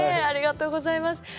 ありがとうございます。